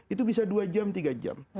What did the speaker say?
itu bisa dua jam tiga jam